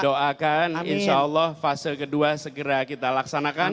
doakan insyaallah fase kedua segera kita laksanakan